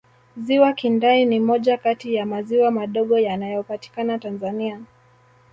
ziwa kindai ni moja Kati ya maziwa madogo yanayopatikana tanzania